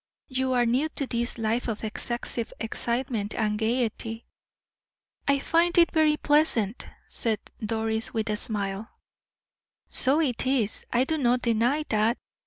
You are new to this life of excessive excitement and gayety." "I find it very pleasant," said Doris, with a smile. "So it is; I do not deny that.